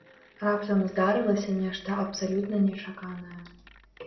Раптам здарылася нешта абсалютна нечаканае.